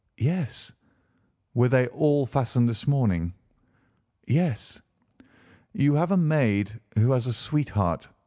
"Yes." "Were they all fastened this morning?" "Yes." "You have a maid who has a sweetheart?